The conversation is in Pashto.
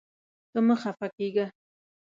ته مه خفه کېږه.